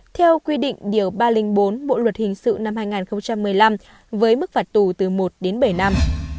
theo quy định điều ba trăm linh bốn bộ luật hình sự năm hai nghìn một mươi năm với mức phạt tù từ một đến bảy năm